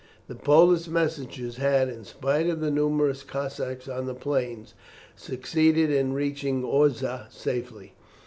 The Polish messengers had, in spite of the numerous Cossacks on the plains, succeeded in reaching Orsza safely.